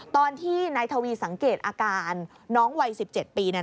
ตอนที่นายทวีสังเกตอาการน้องวัย๑๗ปี